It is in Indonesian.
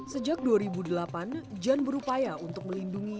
sejak dua ribu delapan jan berupaya untuk melindungi